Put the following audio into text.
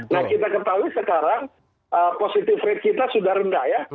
nah kita ketahui sekarang positive rate kita sudah rendah ya